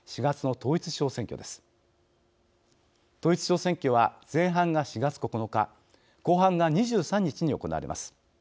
統一地方選挙は、前半が４月９日後半が２３日に行われます。